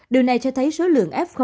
điều này cho thấy số lượng f